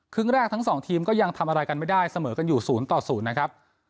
คืนแรกทั้งสองทีมก็ยังทำอะไรกันไม่ได้เสมอกันอยู่ศูนย์ต่อศูนย์นะครับ